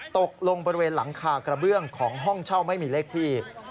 ตกลงบริเวณหลังคากระเบื้องของห้องเช่าไม่มีเลขที่